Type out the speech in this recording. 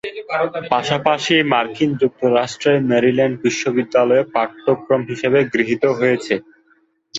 পাশাপাশি মার্কিন যুক্তরাষ্ট্রের মেরিল্যান্ড বিশ্ববিদ্যালয়েও পাঠ্যক্রম হিসাবে গৃহীত হয়েছে।